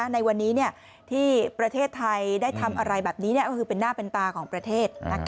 ในวันนี้ที่ประเทศไทยได้ทำอะไรแบบนี้ก็คือเป็นหน้าเป็นตาของประเทศ